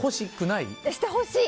してほしい。